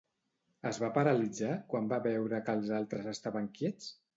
Es va paralitzar, quan va veure que els altres estaven quiets?